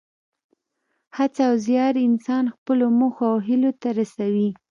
هڅه او زیار انسان خپلو موخو او هیلو ته رسوي.